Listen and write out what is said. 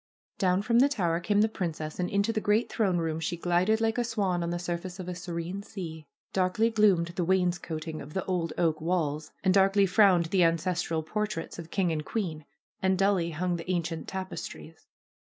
Down from the tower came the princess and into the great throne room she glided like a swan on the surface of a serene sea. Darkly gloomed the wainscoting of the old oak walls, and darkly frowned the ancestral portraits of king and queen, and dully hung the ancient tapestries.